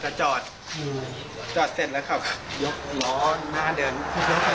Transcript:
ก็จอดจอดเสร็จแล้วเข้ายกรถหน้าเดินแล้วก็ยกแล้วก็ถ่อย